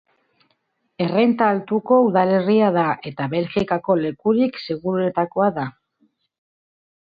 Errenta altuko udalerria da eta Belgikako lekurik seguruenetakoa da.